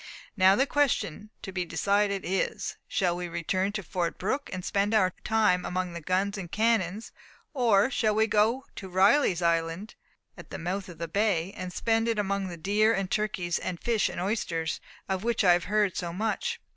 Now the question to be decided is, Shall we return to Fort Brooke, and spend our time among the guns and cannons; or shall we go to Riley's Island at the mouth of the bay, and spend it among the deer and turkeys, the fish and oysters, of which we have heard so much?